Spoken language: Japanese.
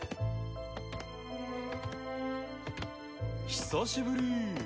久しぶり。